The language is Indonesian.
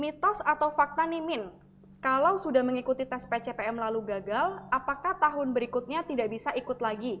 mitos atau fakta nih min kalau sudah mengikuti tes pcpm lalu gagal apakah tahun berikutnya tidak bisa ikut lagi